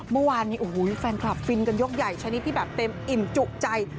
เมื่อวานฟานคลับฟินกันยกใหญ่ชนิดที่แบบเต็มอิ่มจุใจ